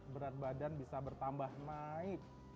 berat badan bisa bertambah naik